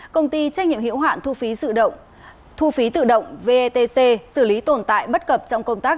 công ty trách nhiệm hiệu hoạn thu phí tự động vetc xử lý tồn tại bất cập trong công tác